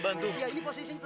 ya udah kita bisa